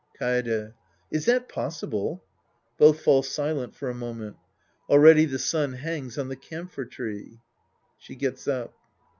Kaede. Is that possible ? {Both fall silent for a moment!) Already the sun hangs on the camphor tree. {Gets up.)